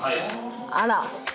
あら！